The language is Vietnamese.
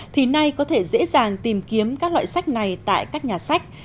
thì nay có thể dễ dàng tìm kiếm các loại sách này tại các nhà sách